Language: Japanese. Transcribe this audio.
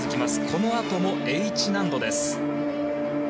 このあともＨ難度です。